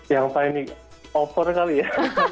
yang paling dikangenin opor kali ya